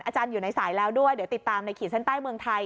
อาจารย์อยู่ในสายแล้วด้วยเดี๋ยวติดตามในขีดเส้นใต้เมืองไทย